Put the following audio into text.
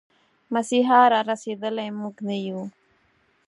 مسيحا را رسېدلی، موږه نه يو